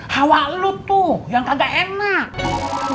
hawa lu tuh yang kagak enak